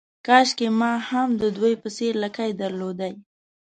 کاشکې ما هم د دوی په څېر لکۍ درلودای.